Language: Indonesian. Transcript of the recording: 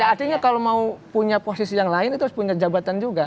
artinya kalau mau punya posisi yang lain itu harus punya jabatan juga